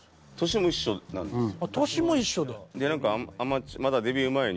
年も一緒なんです。